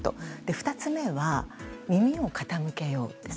２つ目は耳を傾けよう、です。